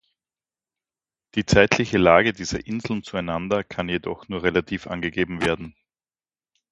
Die zeitliche Lage dieser Inseln zueinander kann jedoch nur relativ angegeben werden.